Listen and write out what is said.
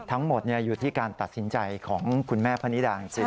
ทั้งหมดอยู่ที่การตัดสินใจของคุณแม่พนิดาจริง